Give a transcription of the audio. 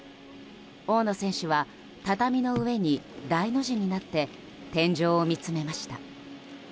大野選手は畳の上に大の字になって天井を見つめました。